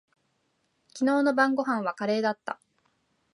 昨日の晩御飯はカレーだった。